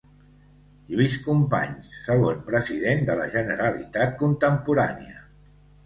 Lluís Companys, segon president de la Generalitat contemporània.